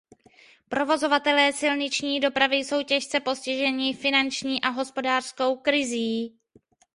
Provozovatelé silniční dopravy jsou těžce postiženi finanční a hospodářskou krizí.